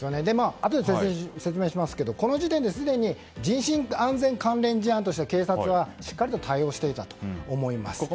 あとで説明しますがこの時点ですでに人身安全関連事案としては警察はしっかりと対応していたと思います。